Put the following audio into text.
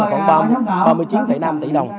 còn ba mươi chín năm tỷ đồng